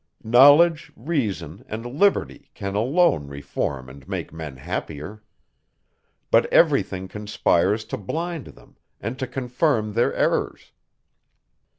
Knowledge, Reason, and Liberty, can alone reform and make men happier. But every thing conspires to blind them, and to confirm their errors.